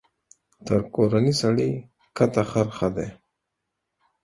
تر کورني سړي کښته خر ښه دى.